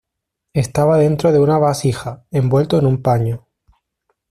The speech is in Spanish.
Estaba dentro de una vasija, envuelto en un paño.